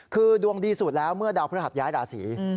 คือดวงดีสุดแล้วเมื่อดาวพระหัสย้ายราศี